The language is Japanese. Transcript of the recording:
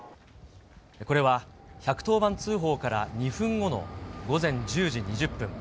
これは１１０番通報から２分後の午前１０時２０分。